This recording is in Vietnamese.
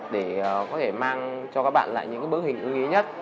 để có thể mang cho các bạn lại những bức hình ưng ý nhất